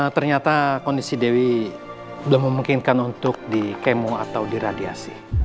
ternyata kondisi dewi belum memungkinkan untuk di kemo atau di radiasi